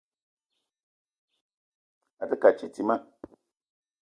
A te ke a titima.